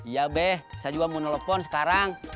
iya be saya juga mau telepon sekarang